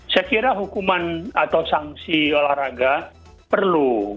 saya kira hukuman atau sanksi olahraga perlu